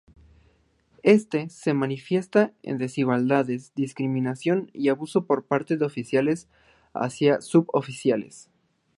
Éste se manifiesta en desigualdades, discriminación y abuso por parte de oficiales hacia suboficiales.